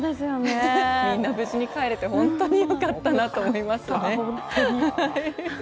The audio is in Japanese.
みんな無事に帰れてよかったなと思いますね。